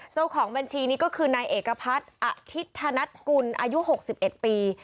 เจ้าของบัญชีนี้ก็คือนายเอกพัฒน์อธิธนัดกุลอายุ๖๑ปี